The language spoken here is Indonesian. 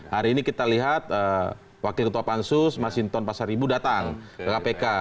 hari ini kita lihat wakil ketua pansus mas hinton pasar ibu datang ke kpk